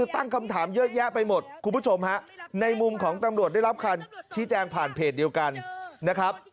ตั้งคำถามเยอะแยะไปหมดคุณผู้ชมฮะในมุมของตำรวจได้รับคำชี้แจงผ่านเพจเดียวกันนะครับ